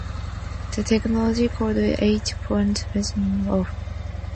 The technology called h-fonts though unique failed to take off.